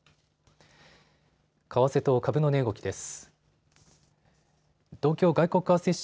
為替と株の値動きです。